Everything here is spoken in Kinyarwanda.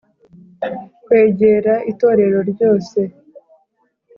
kwegera itorero ryose,